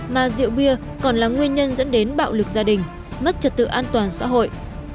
mà rượu bia còn là nguyên nhân dẫn đến bạo lực gia đình mất trật tự an toàn xã hội